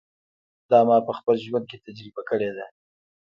دا ما په خپل ژوند کې تجربه کړې ده.